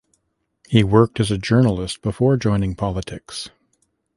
He worked as journalist before joining politics.